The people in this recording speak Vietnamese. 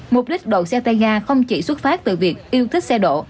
mục đích đậu xe tay ga không chỉ xuất phát từ việc yêu thích xe độ